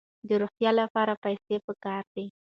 د روغتیا لپاره پیسې پکار دي.